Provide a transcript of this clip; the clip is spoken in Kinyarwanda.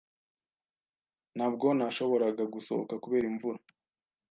Ntabwo nashoboraga gusohoka kubera imvura